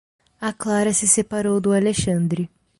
A Clara se separou do Alexandre.